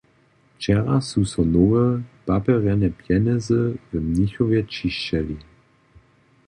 Wčera su so nowe papjerjane pjenjezy w Mnichowje ćišćeli.